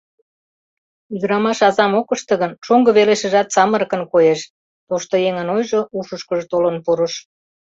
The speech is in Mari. Ӱдырамаш азам ок ыште гын, шоҥго велешыжат самырыкын коеш», — тоштыеҥын ойжо ушышкыжо толын пурыш.